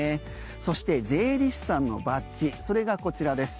そして、税理士さんのバッジそれがこちらです。